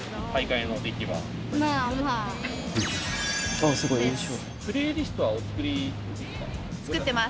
あっすごい優勝。